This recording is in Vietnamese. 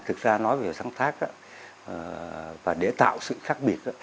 thực ra nói về sáng tác và để tạo sự khác biệt